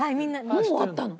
もう終わったの？